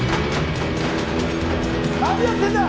何やってるんだ？